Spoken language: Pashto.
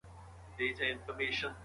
لوبغاړي بې تمرینه نه لوبیږي.